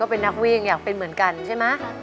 เป็นนักวิ่งอยากเป็นเหมือนกันใช่ไหม